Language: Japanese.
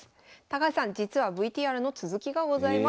高橋さん実はＶＴＲの続きがございます。